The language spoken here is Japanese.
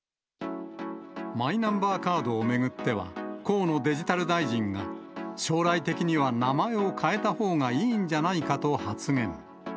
マイナンバーカードを巡っては、河野デジタル大臣が、将来的には名前を変えたほうがいいんじゃないかと発言。